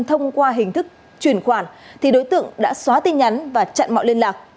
thông qua hình thức chuyển khoản thì đối tượng đã xóa tin nhắn và chặn mọi liên lạc